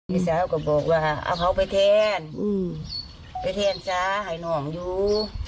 พี่สาวก็บอกว่าเอาเขาไปแทนไปแทนซะให้น้องอยู่